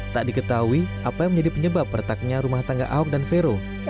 tak diketahui apa yang menjadi penyebab retaknya rumah tangga ahok dan vero